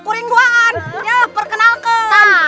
kita cari mereka kemana